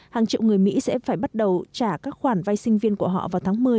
hàng triệu người mỹ sẽ phải bắt đầu trả các khoản vay sinh viên của họ vào tháng một mươi